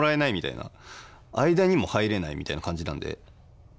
間にも入れないみたいな感じなんで。